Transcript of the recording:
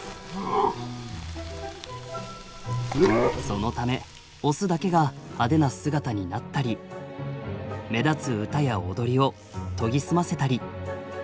そのためオスだけが派手な姿になったり目立つ歌や踊りを研ぎ澄ませたり。